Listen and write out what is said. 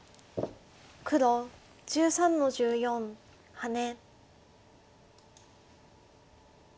黒１３の十四ハネ。